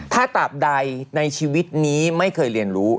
ถ้าตราบใดในชีวิตนี้ไม่เคยเรียนรู้